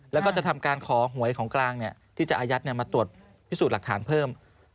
แล้วก็จะทำการขอหวยของกลางที่จะอายัดมาตรวจพิสูจน์หลักฐานเพิ่ม